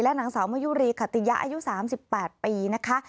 และนางสาวมยุรีขติยะอายุสามสิบแปดปีนะคะ